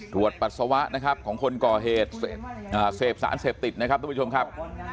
ปัสสาวะนะครับของคนก่อเหตุเสพสารเสพติดนะครับทุกผู้ชมครับ